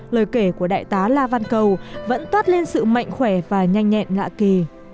lời kể của đại tá la văn cầu vẫn toát lên sự mạnh khỏe và nhanh nhẹn ngạ kỳ